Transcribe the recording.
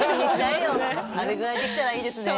あれぐらいできたらいいですね。